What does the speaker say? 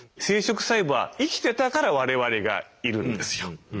生殖細胞が生きてたから我々がいるんですよ。